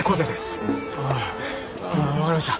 ああ分かりました。